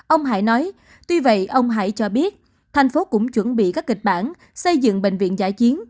ông hải nói tuy vậy ông hải cho biết thành phố cũng chuẩn bị các kịch bản xây dựng bệnh viện giả chiến